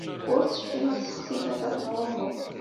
Ur tecfi ma tessexsi tafat neɣ uhu.